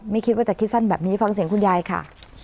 ไม่คิดว่าจะคิดสั้นแบบนี้ฟังเสียงคุณยายค่ะ